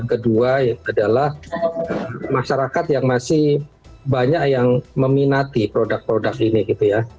kedua adalah masyarakat yang masih banyak yang meminati produk produk ini gitu ya